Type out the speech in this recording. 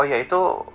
oh ya itu